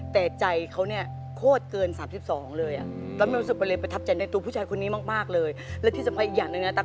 แต่ใจเขาโหดเกิน๓๒เลย